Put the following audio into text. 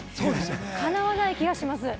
かなわない気がします。